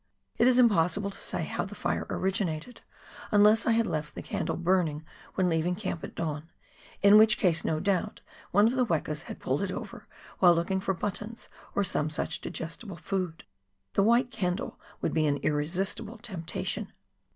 It is impossible to say how the fire originated, unless I had left the candle burning when leaving camp at dawn — in which case, no doubt, one of the wekas had pulled it over while looking for buttons or some such digestible food ; the white candle would be an irresistible temptation.